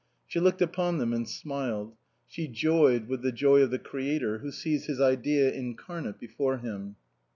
She looked upon them and smiled ; she joyed with the joy of the creator who sees his idea incarnate before him.